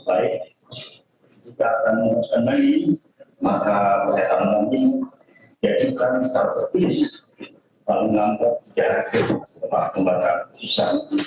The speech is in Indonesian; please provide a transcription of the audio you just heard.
baik jika kami menemani maka saya akan memilih jadikan satu tulis lalu mengambil jadinya setelah pembacaan keputusan